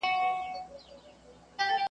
د تيارو سي ورته مخ د ورځو شا سي .